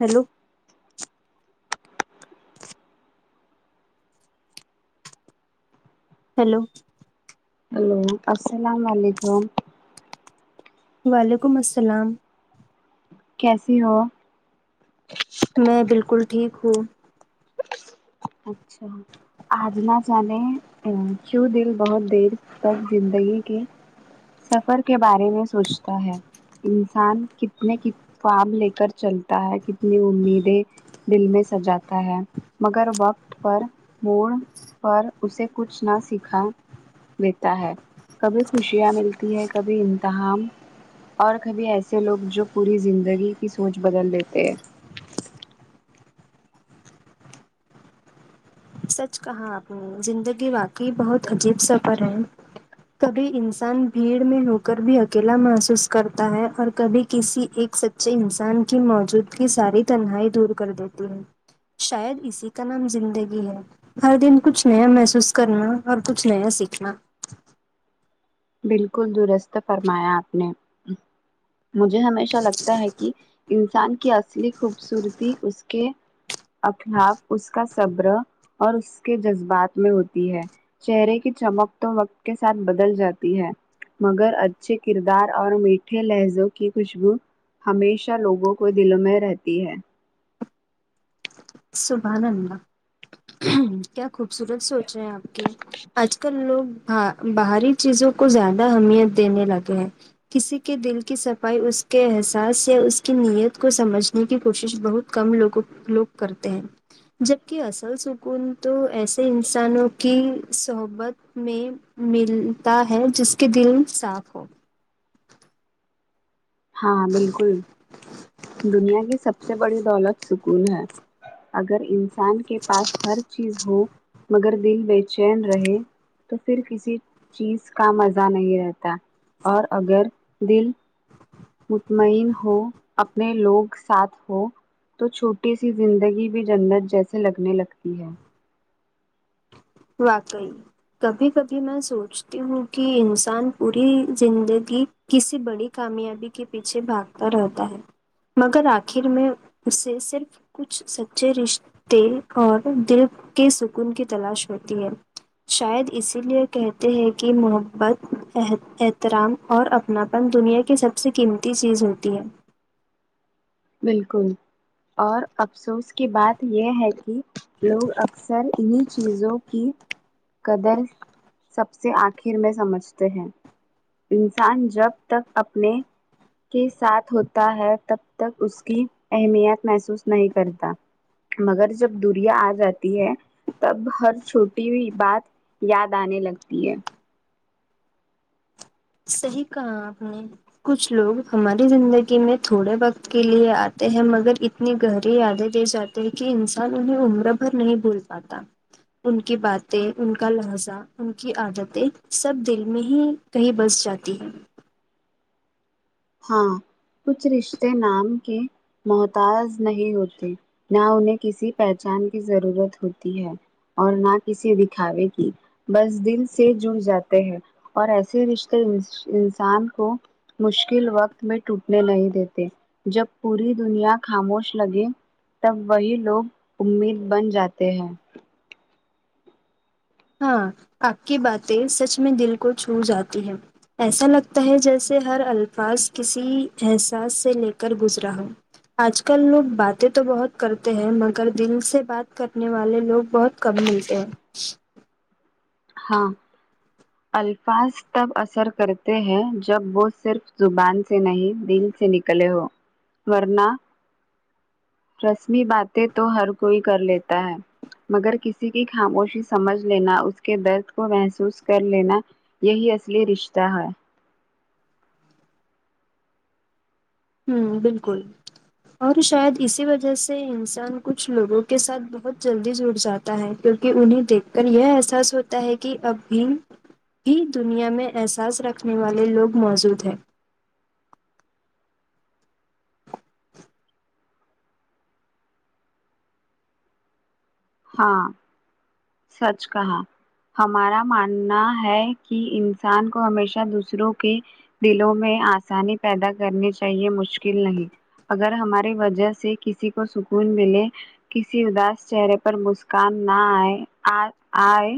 hello hello hello السلام علیکم وعلیکم السلام کیسی ہو میں بالکل ٹھیک ہوں اچھا آج نہ جانے وں کیوں دل بہت دیر تک زندگی کے سفر کے بارے میں سوچتا ہے انسان کتنے کی کام لے کر چلتا ہے کتنی امیدیں دل میں سجاتا ہے مگر وقت پر موڑ پر اسے کچھ نہ سیکھاؤ دیتا ہے کبھی خوشیاں ملتی ہے کبھی امتحان اور کبھی ایسے لوگ جو پوری زندگی کی سوچ بدل دیتے ہیں سچ کہا آپ نے زندگی واقع بہت عجیب سفر ہے کبھی انسان بھیڑ میں ہو کر بھی اکیلا محسوس کرتا ہے اور کبھی کسی ایک س چے انسان کی موجود گی ساری تنہائی دور کر دیتی ہے شاید اسی کا نام زندگی ہے ہر دن کچھ نیا محسوس کرنا اور کچھ نیا سیکھنا بالکل درست فرمایا آپ نے مجھے ہمیشہ لگتا ہے کہ انسان کی اصلی خوبصورتی اس کے اخلاق اس کا صبر اور اس کے جذبات میں ہوتی ہے چہرے کی چمک تو وقت کے ساتھ بدل جاتی تی ہے مگر اچھے کردار اور میٹھے لہجوں کی خوشبو ہمیشہ لوگوں کو دلوں میں رہتی ہے سبحاناللہ کیا خوبصورت سوچ ہے آپ کی کی آج کل لوگ ہا باہری چیزوں کو زیادہ اہمیت دینے لگے ہیں کسی کے دل کی صفائی اس کے احساس یا اس کی نیت کو سمجھنے کی کوشش بہت کم لوگوں لوگ کرتے ہیں جب کہ اصل سکون تو ایسے انسانوں کی صحبت میں ملتا ہے جس کے دل صاف ہو ہاں بالکل دنیا کی سب سے بڑی دولت سکون ہے اگر انسان کے پاس ہر چیز ہو مگر دل بے چین رہے تو پھر کسی چیز کا مزہ نہیں رہتا اور اگر دل مطمئن ہو اپنے لوگ ساتھ ہو تو چھوٹی سی زندگی بھی جنت جیسے لگنے لگتی ہے واقعی کبھی کبھی میں سوچتی ہوں کہ انسان پوری زندگی کسی بڑی کامیابی کے پیچھے بھاگتا رہتا ہے مگر آخر میں اسے صرف کچھ سچے رشتے اور دل کے سکون کی تلاش ہوتی ہے شاید اسی لے کہتے ہیں کہ محبت احترام اور اپناپن دنیا کی سب سے قیمتی چیز ہوتی ہے بلکل اور افسوس کی بات یہ ہے کہ لوگ اکثر انہیں چیزوں کی قدر سب سے آخر میں سمجھتے ہیں انسان جب تک اپنے کے ساتھ ہوتا ہے تب تک اس کی اہمیت محسوس نہیں کرتا مگر جب دوریا آ جاتی ہے تب ہر چھوٹی ہوئی بات یاد آنے لگتی ہے صحیح کہا آپ نے کچھ لوگ ہماری زندگی میں تھوڑے وقت کے لیے آتے ہیں مگر اتنی گہری یادیں دے جاتے ہیں کہ انسان انہیں عمر بھر نہیں بھول پا تا ان کی باتیں ان کا لہذا ان کی عادتیں سب دل میں ہی کہیں بس جاتی ہے ہاں کچھ رشتے نام کے محتاج نہیں ہوتے نہ انہیں کسی پہچان کی ضرورت ہوتی ہے اور نہ کسی دکھاوے کی بس دل سے جڑ جاتے ہیں اور ایسے ہی رشتے انسان کو مشکل ل وقت میں ٹوٹنے نہیں دیتے جب پوری دنیا خاموش لگے تب وہی لوگ امید بن جاتے ہیں ہاں آپ کی باتیں سچ میں دل کو چھو جاتی ہے ایسا لگتا ہے جیسے ہر الفاظ کسی احساس سے لے کر گزرا ہو آج کل لوگ باتیں تو بہت کرتے ہیں مگر دل سے بات کرنے والے لوگ بہت کم ملتے ہیں ہاں الفاظ تب اثر کرتے ہیں جب وہ صرف زبان سے نہیں دل سے نک لئے ہو ورنہ رسمی باتیں تو ہر کوئی کر لیتا ہے مگر کسی کی خاموشی سمجھ لینا اس کے درد کو محسوس کر لینا یہی اصلی رشتہ ہے ہوں بالکل اور شاید اسی وجہ سے انسان کچھ لوگوں کے ساتھ بہت جلدی جڑ جات ا ہے کیونکہ انہیں دیکھ کر یہ احساس ہوتا ہے کہ اب بھی بھی دنیا میں احساس رکھنے والے لوگ موجود ہے ہاں سچ کہاں ہمارا ماننا ہے کہ انسان کو ہمیشہ دوسروں کے دلوں میں آسانی پیدا کرنی چاہیے مشکل نہیں اگر ہماری وجہ سے کسی کو سکون ملے کسی اداس چہرے پر مسکان نہ آے آئے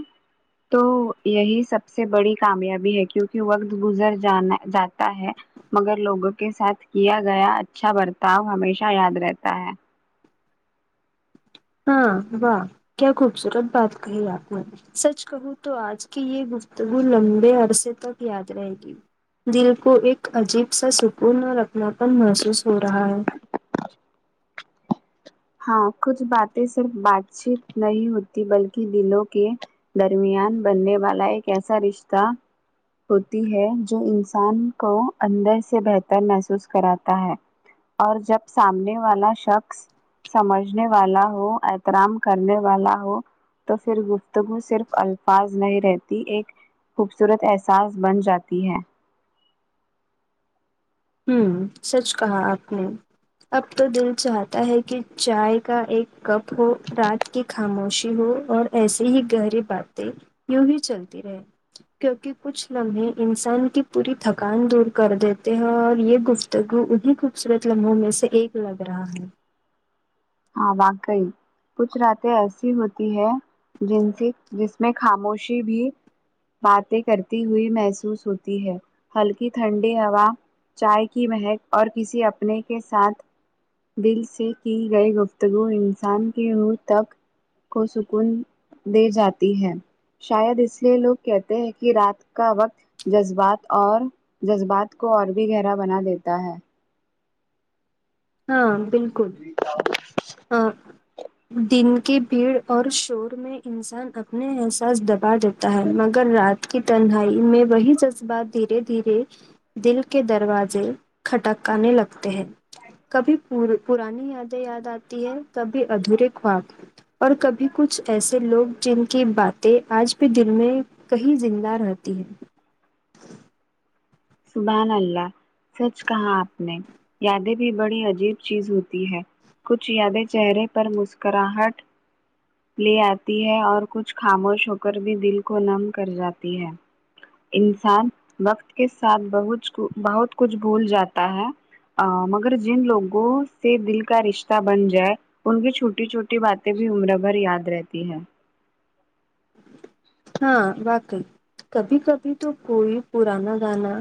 تو یہی سب سے بڑی کامیابی ہے کیونکہ وقت گزر جانا جاتا ہے مگر لوگوں کے ساتھ کیا گیا اچھا برتاؤ ہمیشہ یاد رہتا ہے ہاں واہ کیا خوبصورت بات کہی آپ نے سچ کہوں تو آج کی یہ گفتگو لمبے عرصے تک یاد رہے گی دل کو ایک عجیب سا سکون اور اپناپن محسوس ہو رہا ہے ب ہاں کچھ باتیں صرف بات چیت نہیں ہوتی بلکہ دلوں کے درمیان بننے والا ایک ایسا رشتہ ہوتی ہے جو انسان کو اندر سے بہتر محسوس کراتا ہے اور جب سامنے والا شخص سمجھنے والا ہو احترام کرنے والا ہو تو پھر گفتگو صرف الفاظ نہیں رہتی ایک خوبصورت احساس بن جاتی ہے ہوں سچ کہا آپ نے اب تو دل چاہتا ہے کہ چائے کا ایک کپ ہو رات کی خاموشی ہو اور ایسی ہی گہری باتیں یوں ہی چلتی رہے کیونکہ کچھ لمحے انسان کی پوری تھکان دور کر دیتے ہیں اور یہ گفتگو انہیں خوبصورت لمحوں میں سے ایک لگ رہا ہے ہاں واقع کچھ راتیں ایسی ہوتی ہے جن سے جس میں خاموشی بھی باتیں کرتی ہوئی محسوس ہوتی ہے ہلکی ٹھنڈی ہوا چائے کی مہک اور کسی اپنے کے ساتھ دل سے کی گئی گفتگو انسان کی منہ تک کو سکون دے جاتی ہے شاید اس لیے لوگ کہتے ہیں کہ رات کا وقت جذبات اور جذبات کو اور بھی گہرا بنا دیتا ہے ہاں بالکل آ، دن کی بھیڑ اور شور میں انسان اپنے احساس دبا دیتا ہے مگر رات کے تنہائی میں وہی جذبات دھیرے دھیرے دل کے دروازے کھٹکانے لگتے ہیں کبھی پورے پرانی یادیں یاد آتی ہے کبھی ادھورے خواب اور کبھی کچھ ایسے لوگ جن کی باتیں آج پھر دل میں کہیں زندہ رہتی ہے سبحان الله سچ کہا آپ نے یادیں بھی بڑی عجیب چیز ہوتی ہے کچھ یادیں چہرے پر مسکراہٹ لے آتی ہے اور کچھ خاموش ہو کر بھی دل کو نم کر جاتی ہے انسان وقت کے ساتھ بہت کچھ بہت کچھ بھول جاتا ہے آں مگر جن لوگوں سے دل کا رشتہ بن جائے ان کی چھوٹی چھوٹی باتیں بھی عمر بھر یاد رہتی ہے ہاں واقعی کبھی کبھی تو کوئی پرانا گانا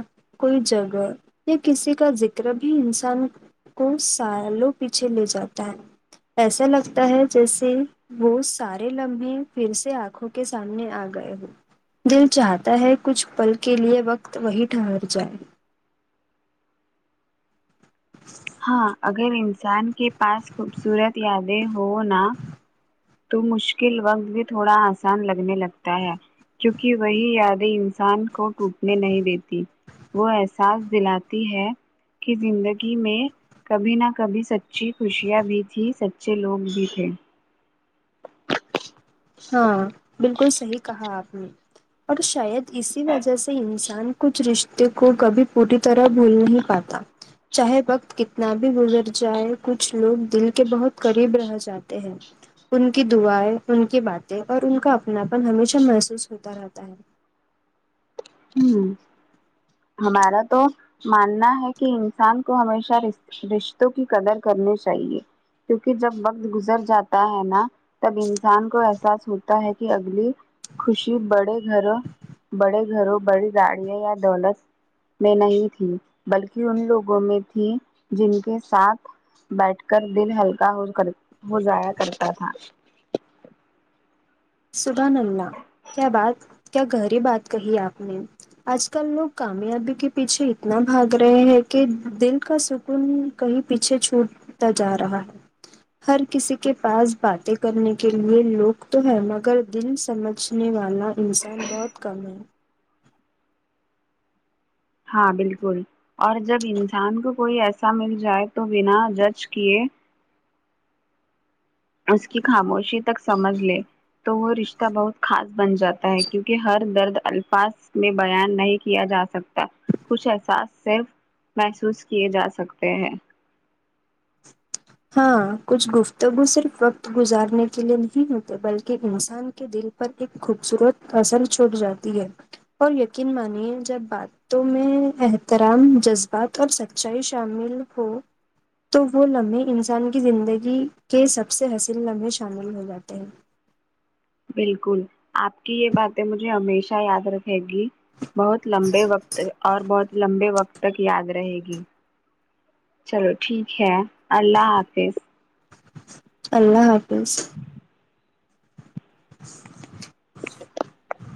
کوئی جگہ یا کسی کا ذکر بھی انسان کچھ سالوں پیچھے لے جاتا ہے ایسا لگتا ہے جیسے وہ سارے لمحے پھر سے آنکھوں کے سامنے آ گئے دل چاہتا ہے کچھ پل کے لیے وقت وہی ٹھہر جائے ہاں اگر انسان کے پاس خوبصورت یادیں ہوں نہ تو مشکل وقت بھی تھوڑا آسان لگنے لگتا ہے کیونکہ وہی یادیں انسان کو ٹوٹنے نہیں دیتی وہ احساس دلاتی ہے کہ زندگی میں کبھی نہ کبھی سچی خوشیاں بھی تھی سچے لوگ بھی تھے ہاں بالکل صحیح کہا آپ نے اور شاید اسی وجہھ سے انسان کچھ رشتے کو کبھی پوری طرح بھول نہیں پاتا چاہے وقت کتنا بھی گزر جائے کچھ لوگ دل کے بہت قریب رہ جاتے ہیں ان کی دعائیں ان کی باتیں اور ان کا اپناپن ہمیشہ محسوس ہوتا رہتا ہے اممم ہمارا تو ماننا ہے کہ انسان کو ہمیشہ رش رشتوں کی قدر کرنی چاہیے کیونکہ جب وقت گزر جاتا ہے نہ تب انسان کو احساس ہوتا ہے کہ اگلی خوشی بڑے گھروں بڑے گھروں بڑی گاڑیاں یا دولت میں نہیں تھی بلکہ ان لوگوں میں تھی جن کے ساتھ بیٹھ کر دل ہلکا ہو کر ہو جایا کرتا تھا سبحان اللہ کیا بات کیا گہری بات کہی آپ نے آج کل لوگ کامیابی کے پیچھے اتنا بھاگ رہے ہیں کہ دل کا سکون کہیں پیچھے چھوٹتا جا رہا ہے ہر کسی کے پاس باتیں کرنے کے لیے لوگ تو ہے مگر مگر دل سمجھنے والا انسان بہت کم ہے ہاں بالکل اور جب انسان کو کوئی ایسا مل جائے تو بنا جج کیے اس کی خاموشی تک سمجھ لے تو وہ رشتہ بہت خاص بن جاتا ہے کیونکہ ہر درد الفاظ میں بیان نہیں کیا جاسکتا سکتا کچھ احساس صرف محسوس کیے جا سکتے ہیں ہاں کچھ گفتگو صرف وقت گزارنے کے لیے نہیں ہوتے بلکہ انسان کے دل پر ایک خوبصورت اثر چھوڑ جاتی ہے اور یقین مانیے جب بات تو میں احترام جذبات اور سچائی شامل ہو تو وہ لمحے انسان کی زندگی کے سب سے حسین لمحے شامل ہو جاتے ہیں بالکل آپ کی یہ باتیں مجھے ہمیشہ یاد رکھتی ہےگی بہت لمبے وقت اور بہت لمبے وقت تک یاد رہے گی چلو ٹھیک ہے اللہ حافظ اللہ حافظ [inaudible] [inaudible]